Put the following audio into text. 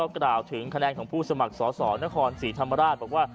กล่าวถึงคะแนนของผู้สมัครสสนครศรีธรรมราช